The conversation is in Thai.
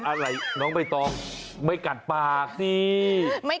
อะไรน้องใบตองไม่กัดปากสิ